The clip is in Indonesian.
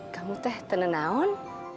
kamu teh tenen naon